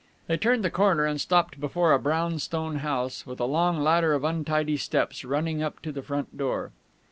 They turned the corner and stopped before a brown stone house, with a long ladder of untidy steps running up to the front door.